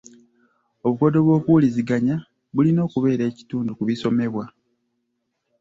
Obukodyo bw'okuwuliziganya bulina okubeera ekitundu ku bisomebwa.